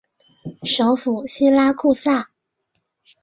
首府锡拉库萨。